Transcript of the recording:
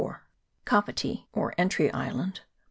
Kapiti, or Entry Island.